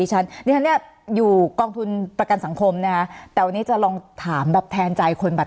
สนับสนุนโดยพี่โพเพี่ยวสะอาดใสไร้คราบ